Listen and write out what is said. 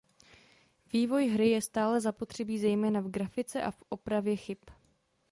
Vývoj hry je stále zapotřebí zejména v grafice a opravě chyb.